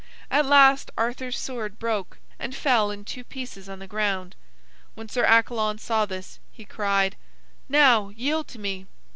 At last Arthur's sword broke, and fell in two pieces on the ground. When Sir Accalon saw this, he cried: "Now, yield to me."